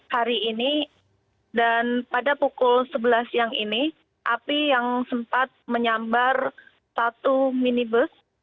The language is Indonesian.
hari ini dan pada pukul sebelas siang ini api yang sempat menyambar satu minibus